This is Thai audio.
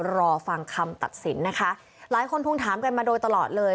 รอฟังคำตัดสินนะคะหลายคนทวงถามกันมาโดยตลอดเลย